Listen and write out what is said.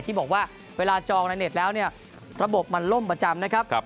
ที่บอกว่าเวลาจองในเน็ตแล้วเนี่ยระบบมันล่มประจำนะครับ